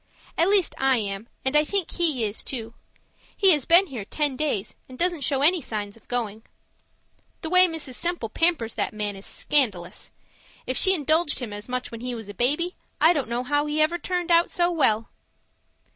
At least I am, and I think he is, too he has been here ten days and he doesn't show any signs of going. The way Mrs. Semple pampers that man is scandalous. If she indulged him as much when he was a baby, I don't know how he ever turned out so well.